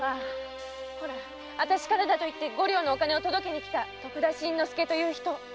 ほらあたしからだと言って五両のお金を届けに来た徳田新之助という人。